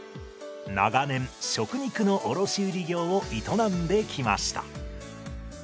長年食肉の卸売業を営んできました。